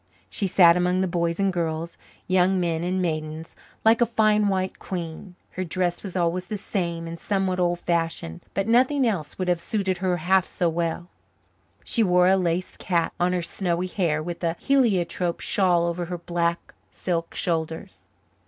She sat among the boys and girls, young men and maidens, like a fine white queen. Her dress was always the same and somewhat old fashioned, but nothing else would have suited her half so well; she wore a lace cap on her snowy hair and a heliotrope shawl over her black silk shoulders.